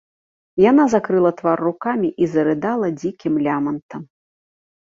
Яна закрыла твар рукамі і зарыдала дзікім лямантам.